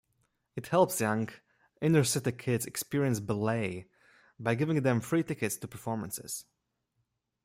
It helps young, inner-city kids experience ballet by giving them free tickets to performances.